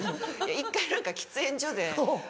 １回何か喫煙所で。